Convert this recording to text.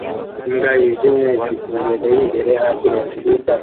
Imbwa yijimye ifite imbere yimbere hasi hejuru yibyatsi